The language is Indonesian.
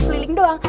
tujuh keliling doang